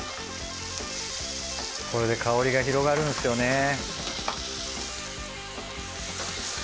これで香りが広がるんですよね。